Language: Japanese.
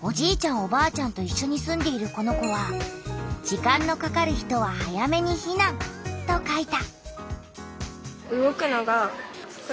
おばあちゃんといっしょに住んでいるこの子は「時間のかかる人は早めにひなん」と書いた。